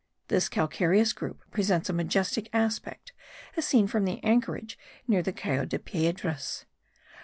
This calcareous group presents a majestic aspect, as seen from the anchorage near the Cayo de Piedras.